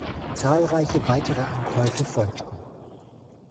Zahlreiche weitere Ankäufe folgten.